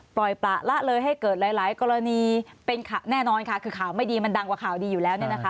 ปล่อยประละเลยให้เกิดหลายกรณีเป็นแน่นอนค่ะคือข่าวไม่ดีมันดังกว่าข่าวดีอยู่แล้วเนี่ยนะคะ